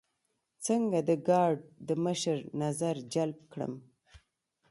څنګه د ګارد د مشر نظر جلب کړم.